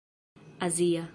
azia